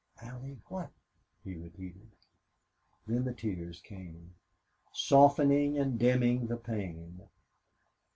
"Allie what?" he repeated. Then the tears came, softening and dimming the pain.